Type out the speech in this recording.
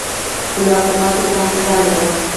ګلاب د پاک احساس هنداره ده.